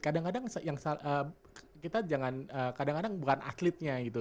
kadang kadang yang kita jangan kadang kadang bukan atletnya gitu